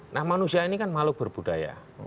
nah manusia ini kan makhluk berbudaya